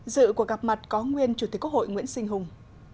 dự của gặp mặt có nguyên chủ tịch quốc hội nguyễn sinh hùng